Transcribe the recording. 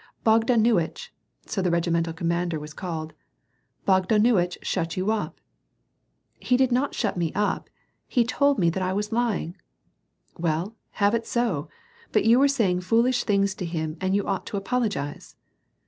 '^ Bogdanuitch * (so the regimental commander was called), Bogadannitch shut you up." '^ He did not shut me up : he told me that I was lying." " Well, have it so, but you were saying foolish things to him and you ought to apologize."